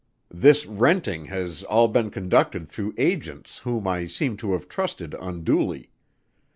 This renting has all been conducted through agents whom I seem to have trusted unduly.